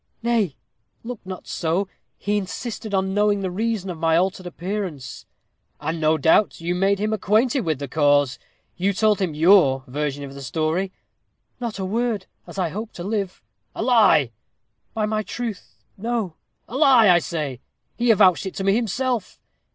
"Nay, look not so. He insisted on knowing the reason of my altered appearance." "And no doubt you made him acquainted with the cause. You told him your version of the story." "Not a word, as I hope to live." "A lie!" "By my truth, no." "A lie, I say. He avouched it to me himself."